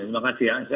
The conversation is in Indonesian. terima kasih ya